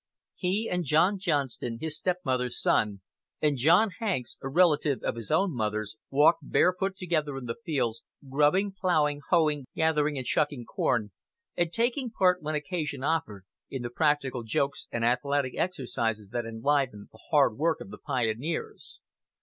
He and John Johnston, his stepmother's son, and John Hanks, a relative of his own mother's, worked barefoot together in the fields, grubbing, plowing, hoeing, gathering and shucking corn, and taking part, when occasion offered, in the practical jokes and athletic exercises that enlivened the hard work of the pioneers.